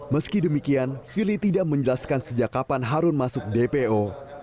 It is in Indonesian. meski demikian firly tidak menjelaskan sejak kapan harun masuk dpo